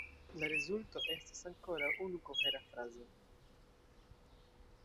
La rezulto estas ankoraŭ unu kohera frazo.